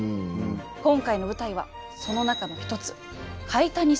今回の舞台はその中の一つ